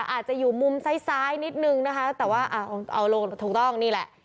อาจจะอยู่มุมซ้ายนิดนึงนะคะแต่ว่าเอาลงถูกต้องนี่แหละ